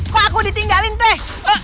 kok aku ditinggalin teh